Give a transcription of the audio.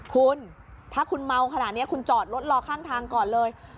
คุณถ้าคุณเมาขนาดนี้คุณจอดรถรอข้างทางก่อนเลย